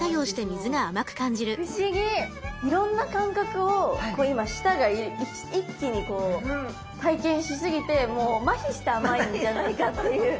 いろんな感覚を今舌が一気にこう体験しすぎてもうまひして甘いんじゃないかっていう。